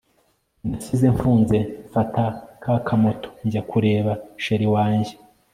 Nasize mfunze mfata ka moto njya kureba Chr wanjye